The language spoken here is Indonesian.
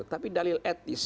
tapi dalil etnis